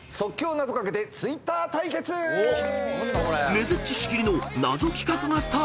［ねづっち仕切りの謎企画がスタート］